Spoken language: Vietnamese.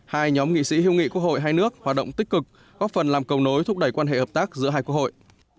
hai nhóm nghị sĩ hữu nghị quốc hội hai nước hoạt động tích cực góp phần làm cầu nối thúc đẩy quan hệ hợp tác giữa hai quốc hội